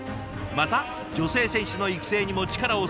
また女性選手の育成にも力を注ぎ